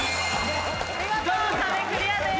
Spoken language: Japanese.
見事壁クリアです。